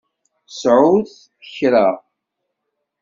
Sɛut kra.